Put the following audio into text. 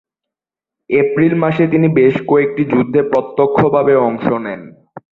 April মাসে তিনি বেশ কয়েকটি যুদ্ধে প্রত্যক্ষভাবে অংশ নেন।